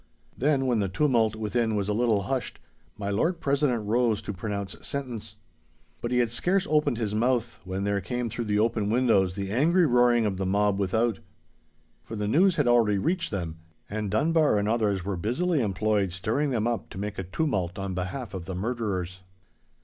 Then when the tumult within was a little hushed, my Lord President rose to pronounce sentence. But he had scarce opened his mouth, when there came through the open windows the angry roaring of the mob without. For the news had already reached them, and Dunbar and others were busily employed stirring them up to make a tumult on behalf of the murderers.